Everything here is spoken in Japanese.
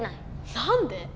なんで？